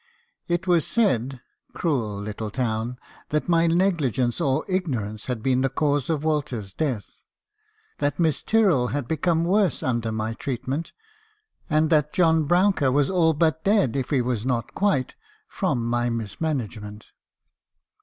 It was said ,— cruel little town, — that my negligence or ignorance had been the cause of Walter's death; that Miss Tyrrell had become worse under my treat ment; and that John Brouncker was all but dead, if he was not quite, from my mismanagement.